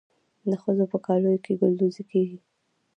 د ښځو په کالیو کې ګلدوزي کیږي.